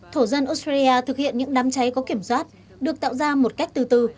thổ dân australia thực hiện những đám cháy có kiểm soát được tạo ra một cách từ từ